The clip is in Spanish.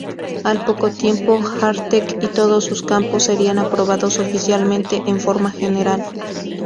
Al poco tiempo, Artek y todos sus campos serían aprobados oficialmente en forma general.